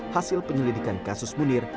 hasil penyelidikan kasus munir